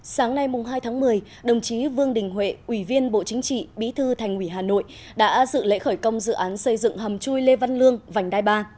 sáng nay hai tháng một mươi đồng chí vương đình huệ ủy viên bộ chính trị bí thư thành ủy hà nội đã dự lễ khởi công dự án xây dựng hầm chui lê văn lương vành đai ba